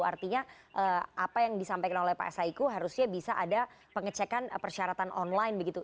artinya apa yang disampaikan oleh pak saiku harusnya bisa ada pengecekan persyaratan online begitu